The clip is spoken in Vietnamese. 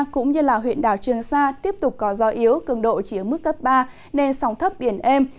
cũng như là huyện đảo trường sa tiếp tục có gió yếu cường độ chỉ ở mức cấp ba nên sóng thấp biển êm